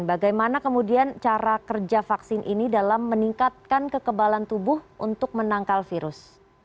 bagaimana kemudian cara kerja vaksin ini dalam meningkatkan kekebalan tubuh untuk menangkal virus